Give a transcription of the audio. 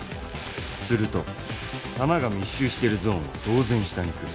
すると弾が密集してるゾーンは当然下に来る。